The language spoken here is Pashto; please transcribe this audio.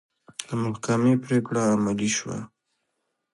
د محکمې پرېکړه عملي شوه.